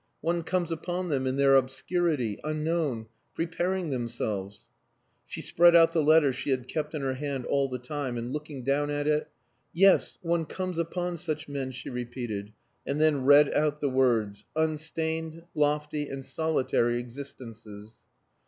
One comes upon them in their obscurity, unknown, preparing themselves...." She spread out the letter she had kept in her hand all the time, and looking down at it "Yes! One comes upon such men!" she repeated, and then read out the words, "Unstained, lofty, and solitary existences."